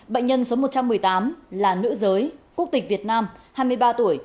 bệnh nhân số một trăm một mươi tám là nữ giới quốc tịch việt nam hai mươi ba tuổi